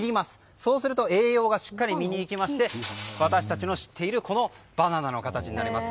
そうすると栄養がしっかり身にいきまして私たちの知っているバナナの形になります。